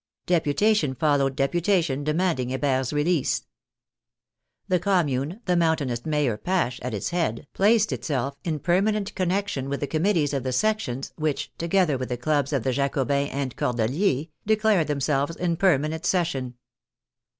Deputation followed deputation de manding Hebert's release. The Commune, the Moun tainist mayor Pache at its head, placed itself in perma nent connection with the committees of the sections, which, together with the clubs of the Jacobins and Cor deliers, declared themselves in permanent session.